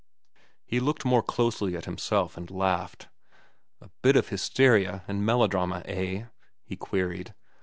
He looked more closely at himself and laughed. "A bit of hysteria and melodrama, eh?" he queried.